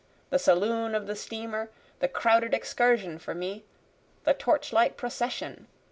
The saloon of the steamer! the crowded excursion for me! the torchlight procession!